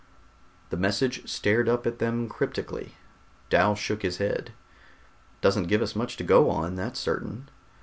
The message stared up at them cryptically. Dal shook his head. "Doesn't give us much to go on, that's certain.